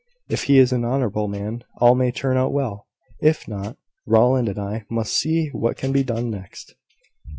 If he is an honourable man, all may turn out well. If not Rowland and I must see what can be done next."